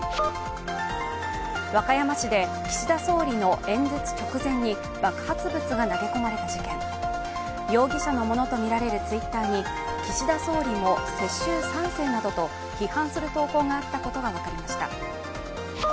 和歌山市で岸田総理の演説直前に爆発物が投げ込まれた事件、容疑者のものとみられるＴｗｉｔｔｅｒに岸田総理も世襲３世などと批判する投稿があったことが分かりました。